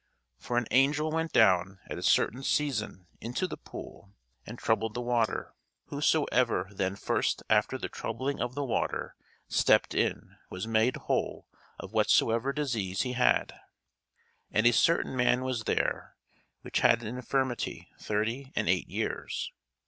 For an angel went down at a certain season into the pool, and troubled the water: whosoever then first after the troubling of the water stepped in was made whole of whatsoever disease he had. And a certain man was there, which had an infirmity thirty and eight years.